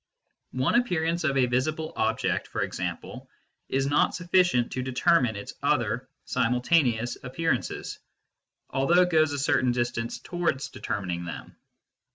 One appearance, of a visible object for example, is not sufficient to determine its other simultaneous appearances, although it goes a certain distance towards determining them.